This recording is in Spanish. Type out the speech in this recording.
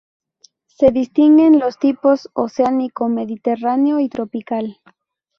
Se distinguen los tipos: oceánico, mediterráneo y tropical.